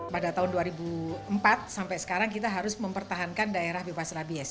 pada tahun dua ribu empat sampai sekarang kita harus mempertahankan daerah bebas rabies